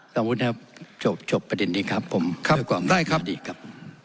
สามพูดครับจบจบประเด็นนี้ครับผมครับได้ครับ